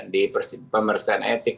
di pemersihan etik